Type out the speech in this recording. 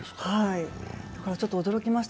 だからちょっと驚きました。